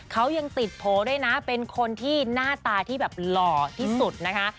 เขายังติดโผล่ด้วยนะเป็นคนที่หน้าตาที่แบบหล่อที่สุดนะคะ